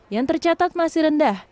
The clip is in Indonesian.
yang tercatat masih rendah